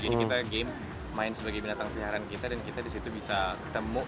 jadi kita game main sebagai binatang peliharaan kita dan kita di situ bisa ketemu